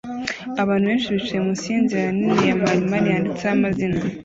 Abantu benshi bicaye munsi yinzira nini ya marimari yanditseho amazina